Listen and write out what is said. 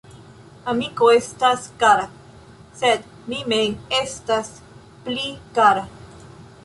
Amiko estas kara, sed mi mem estas pli kara.